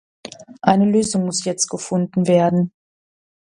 Eine Lösung muss jetzt gefunden werden.